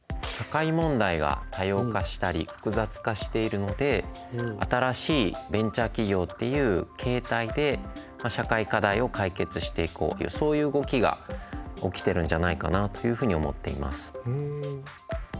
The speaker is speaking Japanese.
社会問題が多様化したり複雑化しているので新しいベンチャー企業っていう形態で社会課題を解決していこうそういう動きが起きてるんじゃないかなっていうふうに思っています。